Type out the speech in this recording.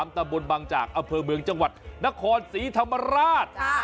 ตำบลบังจากอำเภอเมืองจังหวัดนครศรีธรรมราช